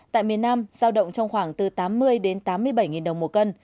tại miền nam giao động trong khoảng từ tám mươi đến tám mươi bảy đồng một cân